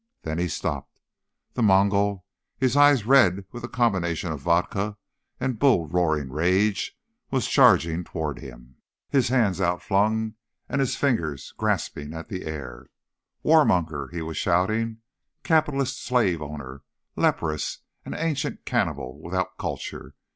Then he stopped. The Mongol, his eyes red with a combination of vodka and bull roaring rage, was charging toward him, his hands outflung and his fingers grasping at the air. "Warmonger!" he was shouting. "Capitalist slave owner! Leprous and ancient cannibal without culture!